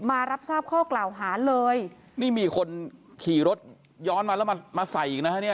มารับทราบข้อกล่าวหาเลยนี่มีคนขี่รถย้อนมาแล้วมามาใส่อีกนะฮะเนี่ย